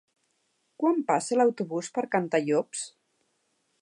Quan passa l'autobús per Cantallops?